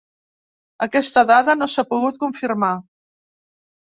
Aquesta dada no s'ha pogut confirmar.